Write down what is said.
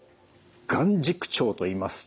眼軸長といいますと？